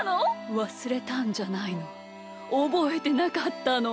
わすれたんじゃないのおぼえてなかったの！